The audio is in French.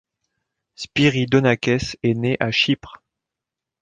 Spyridonakès est né à Chypre.